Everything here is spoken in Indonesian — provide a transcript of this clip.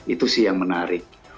itu sih yang menarik